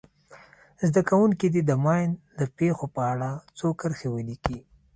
زده کوونکي دې د ماین د پېښو په اړه څو کرښې ولیکي.